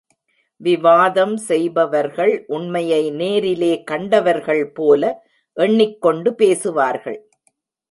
விவாதம் செய்பவர்கள் உண்மையை நேரிலே கண்டவர்கள்போல எண்ணிக்கொண்டு பேசுவார்கள்.